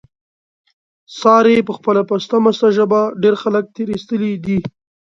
سارې په خپله پسته مسته ژبه، ډېر خلک تېر ایستلي دي.